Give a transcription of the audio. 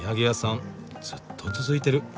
ずっと続いてる。